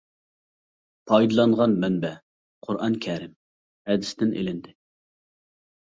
پايدىلانغان مەنبە : قۇرئانى كەرىم، ھەدىستىن ئېلىندى.